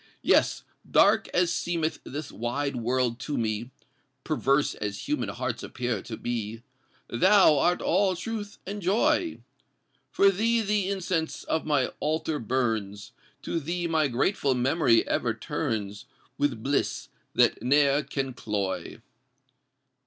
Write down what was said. Yes—dark as seemeth this wide world to me, Perverse as human hearts appear to be, Thou art all truth and joy! For thee the incense of my altar burns; To thee my grateful memory ever turns With bliss that ne'er can cloy!